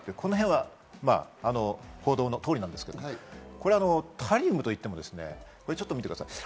この辺は報道の通りなんですけど、タリウムといっても、ちょっと見てください。